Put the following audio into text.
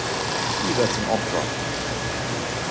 Liga zum Opfer.